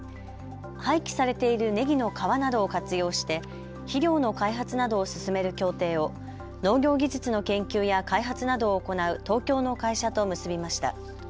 廃棄されているねぎの皮などを活用して肥料の開発などを進める協定を農業技術の研究や開発などを行う東京の会社と結びました。